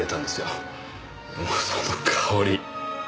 もうその香り